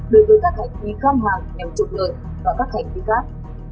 đối với các hành trí cam hàng đèo trục lợi và các hành trí khác